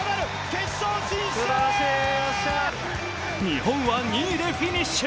日本は２位でフィニッシュ。